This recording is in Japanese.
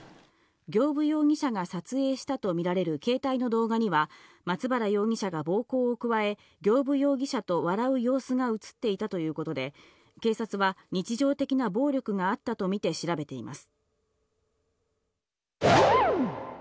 行歩容疑者が撮影したと見られる携帯の動画には、松原容疑者が暴行を加え、行歩容疑者と笑う様子が映っていたということで、警察は日常的な暴力があったと見て調べています。